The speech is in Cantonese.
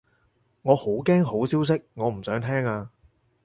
我好驚好消息，我唔想聽啊